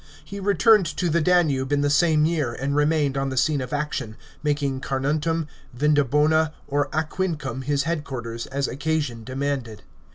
He returned to the Danube in the same year and remained on the scene of action, making Carnuntum, Vindobona, or Aquincum, his headquarters, as occasion demanded.